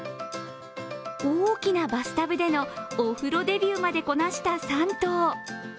大きなバスタブでのお風呂デビューまでこなした３頭。